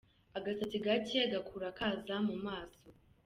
Agasatsi gake gakura kaza mu maso.